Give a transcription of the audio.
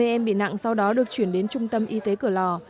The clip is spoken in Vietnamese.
hai mươi em bị nặng sau đó được chuyển đến trung tâm y tế cửa lò